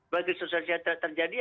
bagi krisis sosial yang tidak terjadi